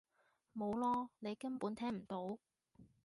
冇囉！你根本聽唔到！